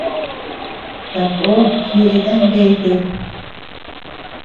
Takó jeʼeta ndete.